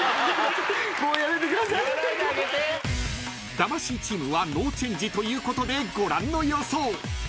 ［魂チームはノーチェンジということでご覧の予想］